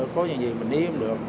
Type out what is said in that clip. có gì mình đi không được